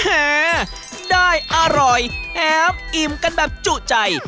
แหมได้อร่อยแถมอิ่มกันแบบจุใจ